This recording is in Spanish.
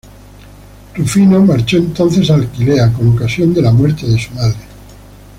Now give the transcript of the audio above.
Rufino marchó entonces a Aquilea con ocasión de la muerte de su madre.